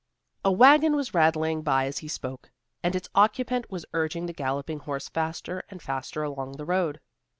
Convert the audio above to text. A wagon was rattling by as he spoke, and its occupant was urging the galloping horse faster and faster along the road.